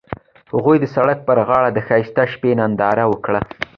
هغوی د سړک پر غاړه د ښایسته شپه ننداره وکړه.